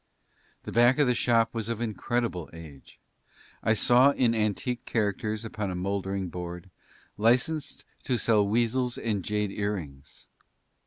The back of the shop was of incredible age. I saw in antique characters upon a mouldering board, "Licensed to sell weasels and jade earrings."